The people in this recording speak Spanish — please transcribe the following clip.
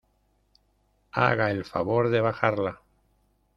haga el favor de bajarla.